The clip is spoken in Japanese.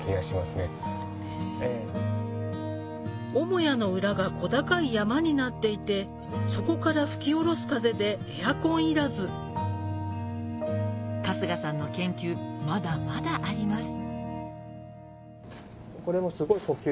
母屋の裏が小高い山になっていてそこから吹き下ろす風でエアコンいらず春日さんの研究まだまだあります